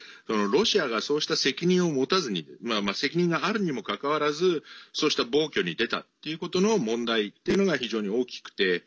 ロシアがそうした責任を持たずに責任があるにもかかわらずそうした暴挙に出たということの問題っていうのが非常に大きくて。